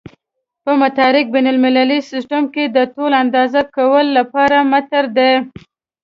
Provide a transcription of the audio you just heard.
په مټریک بین المللي سیسټم کې د طول اندازه کولو لپاره متر دی.